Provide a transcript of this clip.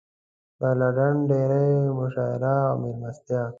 د اله ډنډ ډېرۍ مشاعره او مېلمستیا.